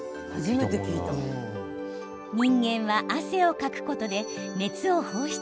人間は汗をかくことで熱を放出。